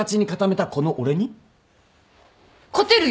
勝てるよ。